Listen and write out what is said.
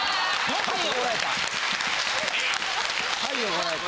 はい怒られた！